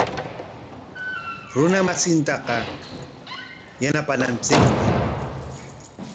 Runa masintaqa yanapananchikmi.